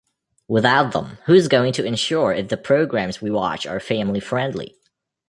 Without them, who's going to ensure if the programs we watch are family-friendly?